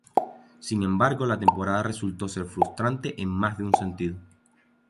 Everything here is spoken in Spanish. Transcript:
Sin embargo, la temporada resultó ser frustrante en más de un sentido.